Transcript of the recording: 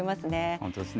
本当ですね。